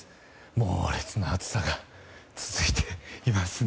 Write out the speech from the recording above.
猛烈な暑さが続いていますね。